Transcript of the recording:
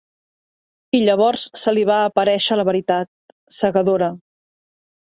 I llavors se li va aparèixer la veritat, cegadora.